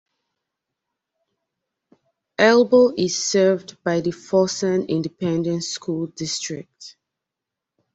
Elbow is served by the Forsan Independent School District.